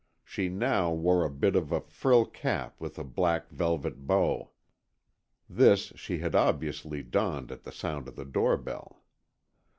She now wore a bit of a frilled cap with a black velvet bow. This she had obviously donned at the sound of the doorbell.